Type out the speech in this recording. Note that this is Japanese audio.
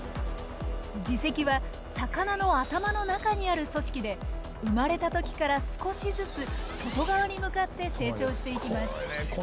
耳石は魚の頭の中にある組織で生まれた時から少しずつ外側に向かって成長していきます。